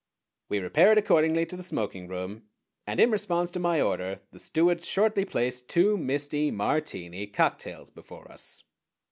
"] We repaired accordingly to the smoking room, and in response to my order the steward shortly placed two misty Martini cocktails before us.